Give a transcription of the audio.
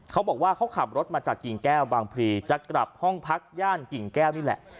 เขาบอกว่าเขาขับรถมาจากกิ่งแก้วบางพลีจะกลับห้องพักย่านกิ่งแก้วนี่แหละ